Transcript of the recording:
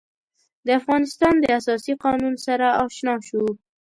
د افغانستان د اساسي قانون سره آشنا شو.